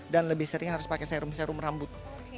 dan lebih sering harus pakai serum serum rambut